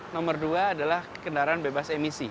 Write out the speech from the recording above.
nomor dua adalah kendaraan bebas emisi